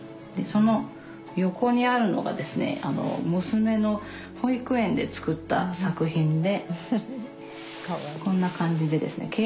でその横にあるのがですね娘の保育園で作った作品でこんな感じでですね